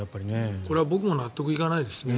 これは僕も納得いかないですね。